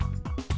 nền nhiệt độ